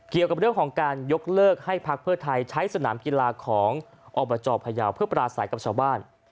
เกี่ยวกับเรื่องของการยกเลิกให้พักเพื่อไทยใช้สนามกีฬาของอบจพยาวเพื่อปราศัยกับชาวบ้าน